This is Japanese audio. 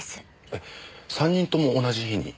えっ３人とも同じ日に？